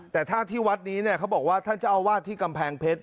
แต่ถ้าที่วัดนี้เนี่ยเขาบอกว่าท่านเจ้าอาวาสที่กำแพงเพชร